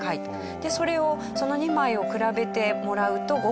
でそれをその２枚を比べてもらうとご本人は。